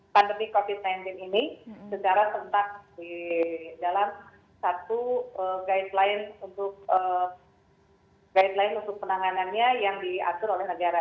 pandemi covid sembilan belas ini secara sentak di dalam satu guideline untuk guideline untuk penanganannya yang diatur oleh negara